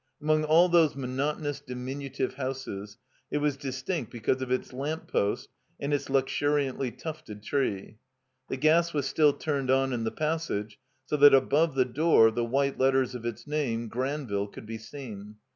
Among all those monotonous diminutive hotises it was distinct be cause of its lamp post and its luxuriantly tufted tree. The gas was still turned on in the passage, so that above the door the white letters of its name, Gran ville, could be seen.